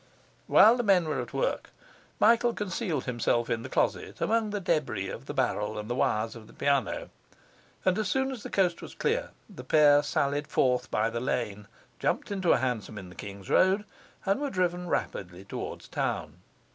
While the men were at work, Michael concealed himself in the closet among the debris of the barrel and the wires of the piano; and as soon as the coast was clear the pair sallied forth by the lane, jumped into a hansom in the King's Road, and were driven rapidly toward town.